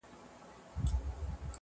o خوند ئې ښه دئ، را تله ئې!